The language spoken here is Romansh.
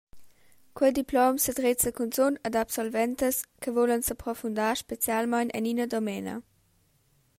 Quei diplom sedrezza cunzun ad absoventas che vulan seprofundar specialmein en ina domena.